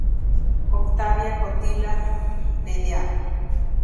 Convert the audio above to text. Octavia Cotilla Vda.